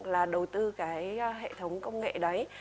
là đầu tư cái hệ thống công nghệ đấy